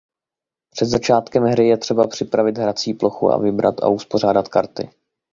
Před začátkem hry je třeba připravit hrací plochu a vybrat a uspořádat karty.